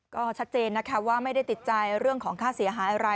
ก็ชัดเจนนะคะว่าไม่ได้ติดใจเรื่องของค่าเสียหายอะไร